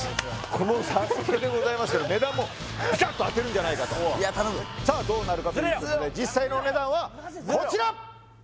この「ＳＡＳＵＫＥ」でございますから値段もピタッと当てるんじゃないかとさあどうなるかということで実際のお値段はこちら！